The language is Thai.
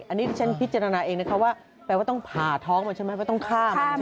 อันนี้ที่ฉันพิจารณาเองนะคะว่าแปลว่าต้องผ่าท้องมันใช่ไหมเพราะต้องฆ่ามันใช่ไหม